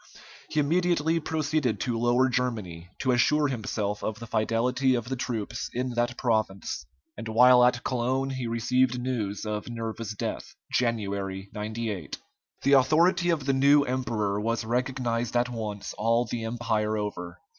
He immediately proceeded to Lower Germany, to assure himself of the fidelity of the troops in that province, and while at Cologne he received news of Nerva's death (January, 98). The authority of the new emperor was recognized at once all the Empire over.